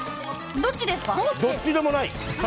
どっちでもない。